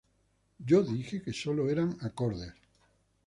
Yo dije que sólo eran acordes.